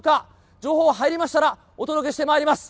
情報入りましたら、お届けしてまいります。